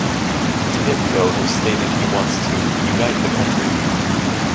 Tihipko has stated he wants to "unite the country".